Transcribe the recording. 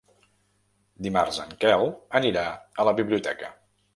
Dimarts en Quel anirà a la biblioteca.